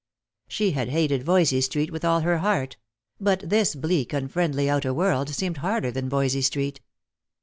She had hated Voysey street with all her heart; but this bleak unfriendly outer world seemed harder than Voysey street.